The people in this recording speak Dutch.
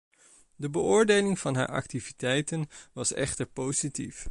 De beoordeling van haar activiteiten was echter positief.